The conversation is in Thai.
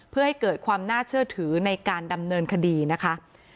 เพื่อให้เกิดความน่าเชื่อถือในการดำเนินคดีนะคะ